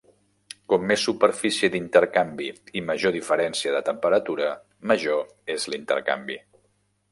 Com més superfície d'intercanvi i major diferència de temperatura, major és l'intercanvi.